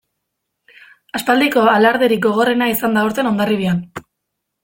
Aspaldiko alarderik gogorrena izan da aurten Hondarribian.